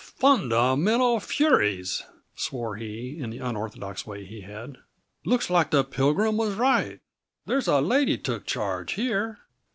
"Fundamental furies!" swore he, in the unorthodox way he had. "Looks like the Pilgrim was right there's a lady took charge here."